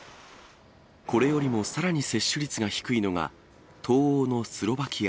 これよりもさらに接種率が低いのが、東欧のスロバキア。